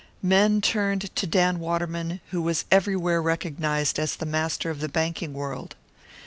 Men turned to Dan Waterman, who was everywhere recognised as the master of the banking world.